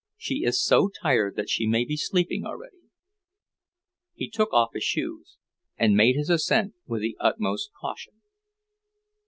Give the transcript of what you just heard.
She is so tired that she may be asleep already." He took off his shoes and made his ascent with the utmost caution.